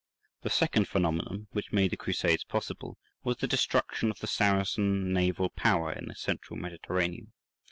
The second phenomenon which made the Crusades possible was the destruction of the Saracen naval power in the Central Mediterranean.